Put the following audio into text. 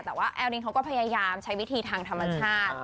แต่ว่าแอลลินเขาก็พยายามใช้วิธีทางธรรมชาติ